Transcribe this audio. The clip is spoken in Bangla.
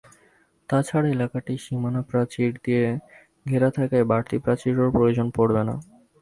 তা ছাড়া এলাকাটি সীমানাপ্রাচীর দিয়ে ঘেরা থাকায় বাড়তি প্রাচীরেরও প্রয়োজন পড়বে না।